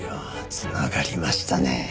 繋がりましたね。